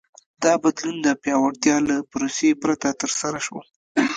دا بدلون د پیاوړتیا له پروسې پرته ترسره شو.